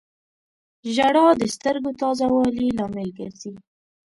• ژړا د سترګو تازه والي لامل ګرځي.